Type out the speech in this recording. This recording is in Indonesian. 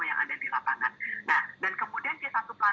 tetapi kita ingin sebanyak mungkin dari c satu plano yang ada di lapangan